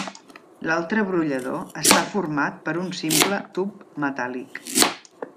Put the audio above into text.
L'altre brollador està format per un simple tub metàl·lic.